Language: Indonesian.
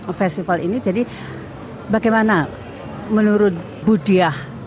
tentang festival ini jadi bagaimana menurut ibu diah